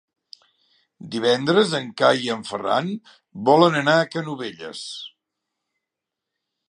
Divendres en Cai i en Ferran volen anar a Canovelles.